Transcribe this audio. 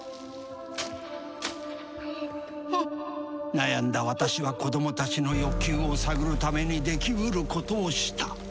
悩んだ私は子どもたちの欲求を探るためにできうることをした。